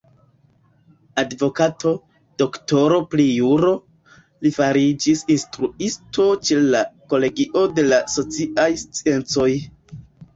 Advokato, doktoro pri juro, li fariĝis instruisto ĉe la kolegio de la sociaj sciencoj.